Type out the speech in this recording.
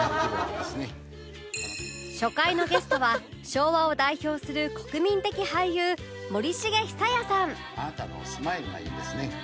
「」初回のゲストは昭和を代表する国民的俳優森繁久彌さんあなたのスマイルがいいですね。